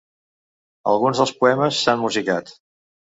Alguns dels poemes s'han musicat.